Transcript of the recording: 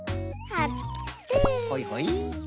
はいはい。